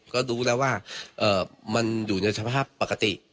ก็รู้แล้วว่ามันอยู่ในสภาพปกติ